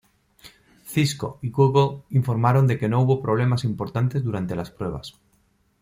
Cisco y Google informaron de que no hubo problemas importantes durante las pruebas.